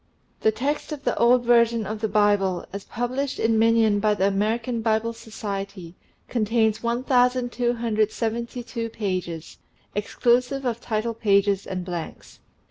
The text of the old version of the Bible, as published in minion by the American Bible Society, contains 1272 pages, exclusive of title pages and blanks.